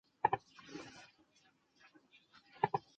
她很担心大儿子